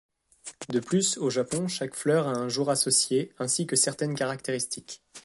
De plus, au Japon, chaque fleur a un jour associé ainsi que certaines caractéristiques.